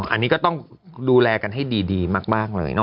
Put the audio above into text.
อันนี้ก็ต้องดูแลกันให้ดีมากเลย